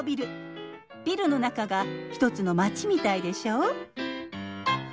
ビルの中が一つの町みたいでしょう。